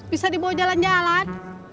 bisa dibawa jalan jalan